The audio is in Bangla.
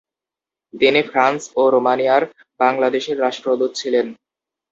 তিনি ফ্রান্স ও রোমানিয়ার বাংলাদেশের রাষ্ট্রদূত ছিলেন।